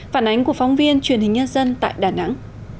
phản ánh của phóng viên truyền hình nhân dân tại đà nẵng